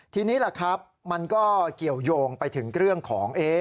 ทีนี้แหละครับมันก็เกี่ยวยงไปถึงเรื่องของ